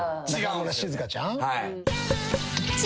中村静香ちゃん？